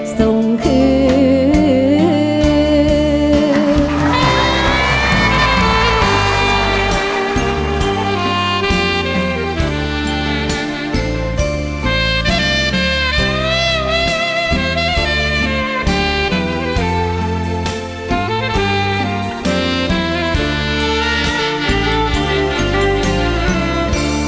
ส่งคืน